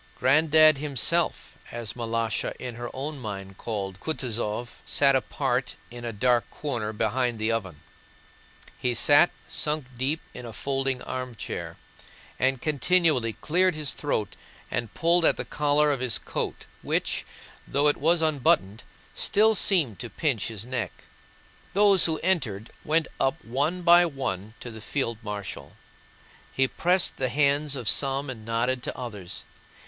"Granddad" himself, as Malásha in her own mind called Kutúzov, sat apart in a dark corner behind the oven. He sat, sunk deep in a folding armchair, and continually cleared his throat and pulled at the collar of his coat which, though it was unbuttoned, still seemed to pinch his neck. Those who entered went up one by one to the field marshal; he pressed the hands of some and nodded to others.